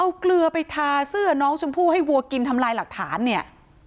เอาเกลือไปทาเสื้อน้องชมพู่ให้วัวกินทำลายหลักฐานเนี่ย